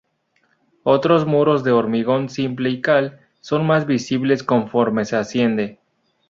Otros muros de hormigón simple y cal son más visibles conforme se asciende.